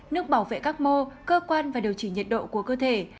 nước bảo vệ các mô cơ quan và điều chỉnh nhiệt độ của cơ thể